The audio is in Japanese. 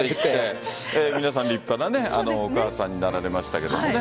皆さん、立派なお母さんになられましたけどね。